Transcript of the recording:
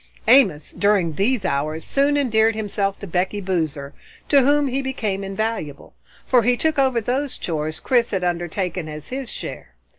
Amos, during these hours, soon endeared himself to Becky Boozer, to whom he became invaluable, for he took over those chores Chris had undertaken as his share.